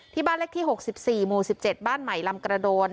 บ้านเลขที่๖๔หมู่๑๗บ้านใหม่ลำกระโดน